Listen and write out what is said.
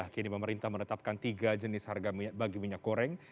kini pemerintah menetapkan tiga jenis harga bagi minyak goreng